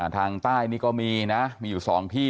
ทางใต้มีอยู่๒ที่